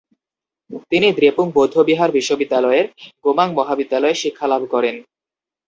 তিনি দ্রেপুং বৌদ্ধবিহার বিশ্ববিদ্যালয়ের গোমাং মহাবিদ্যালয়ে শিক্ষালাভ করেন।